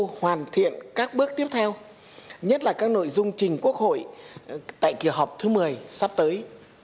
chúng tôi sẽ làm thiện các bước tiếp theo nhất là các nội dung trình quốc hội tại khi họp thứ một mươi sắp tới